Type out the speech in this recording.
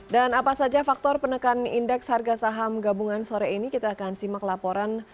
dan apa saja faktor penekan indeks harga saham gabungan sore ini kita akan simak laporan